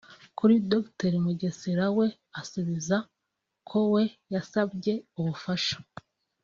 Kuri Dr Mugesera we asubiza ko we yasabye ubufasha